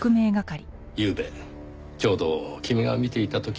ゆうべちょうど君が見ていた時は。